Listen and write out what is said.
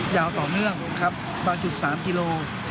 ยาวต่อเนื่องครับบางจุด๓กิโล